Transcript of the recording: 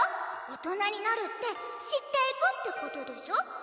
大人になるってしっていくってことでしょ？